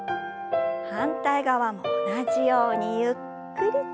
反対側も同じようにゆっくりと。